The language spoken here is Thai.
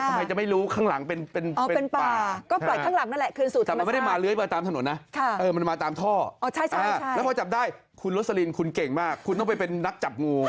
มาจากไหนอ่ะอ้าวทำไมจะไม่รู้ข้างหลังเป็นป่าอ๋อเป็นป่า